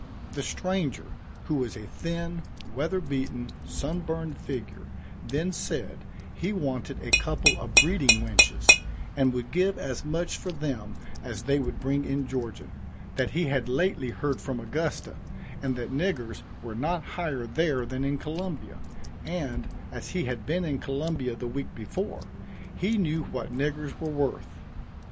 The stranger, who was a thin, weather beaten, sun burned figure, then said, he wanted a couple of breeding wenches, and would give as much for them as they would bring in Georgia that he had lately heard from Augusta, and that niggers were not higher there than in Columbia, and, as he had been in Columbia the week before, he knew what niggers were worth.